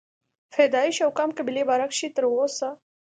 پيدائش او قام قبيلې باره کښې تر اوسه